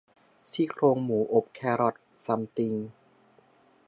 ซี่โครงหมูอบแครอตซัมติง